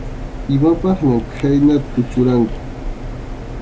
Imapaqñam khaynata kuchurqanku.